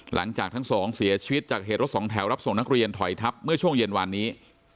หลังจากทั้งสองเสียชีวิตจากเหตุรถสองแถวรับส่งนักเรียนถอยทับเมื่อช่วงเย็นวานนี้